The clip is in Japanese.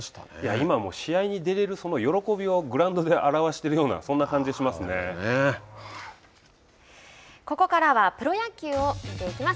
今試合に出れる喜びをグラウンドで表してるようなここからはプロ野球を見ていきます。